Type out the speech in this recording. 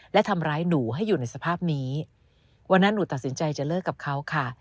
และทำร้ายหนูให้อยู่ในสภาพนี้วันนั้นหนูตัดสินใจจะเลิกกับเขาค่ะ